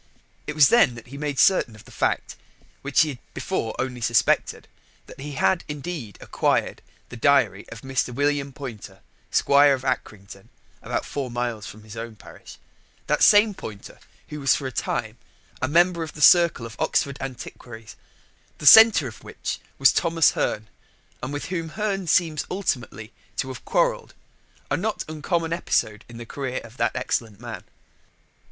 It was then that he made certain of the fact, which he had before only suspected, that he had indeed acquired the diary of Mr. William Poynter, Squire of Acrington (about four miles from his own parish) that same Poynter who was for a time a member of the circle of Oxford antiquaries, the centre of which was Thomas Hearne, and with whom Hearne seems ultimately to have quarrelled a not uncommon episode in the career of that excellent man.